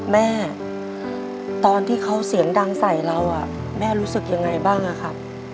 แม่ตอนที่เขาเสียงดังใส่เราแม่รู้สึกยังไงบ้างอะครับ